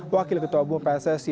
wakil ketua bumah pssi